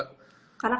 karena kan banyak banget